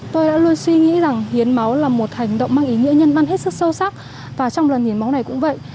tôi đã luôn suy nghĩ rằng hiến máu là một hành động mang ý nghĩa nhân văn hết sức sâu sắc và trong lần hiến máu này cũng vậy